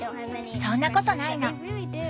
そんなことないの。